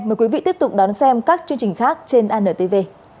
mời quý vị tiếp tục đón xem các chương trình khác trên antv